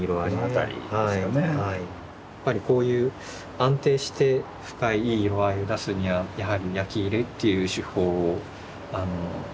やっぱりこういう安定して深いいい色合いを出すにはやはり焼き入れっていう手法を活用するのも。